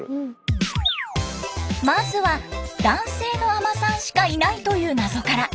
まずは男性の海人さんしかいないという謎から。